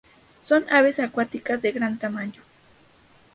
Son aves acuáticas de gran tamaño.